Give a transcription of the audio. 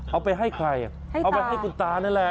เอาไปให้ใครเอาไปให้คุณตานั่นแหละ